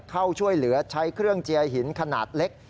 เข้าช่วยเหลือใช้เครื่องเจียหินขนาดเล็ก